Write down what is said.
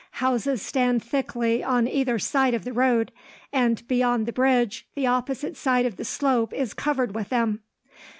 Houses stand thickly on either side of the road, and beyond the bridge the opposite side of the slope is covered with them.